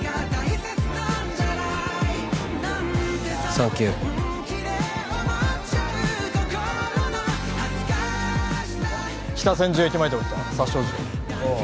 サンキュー北千住駅前で起きた殺傷事件ああ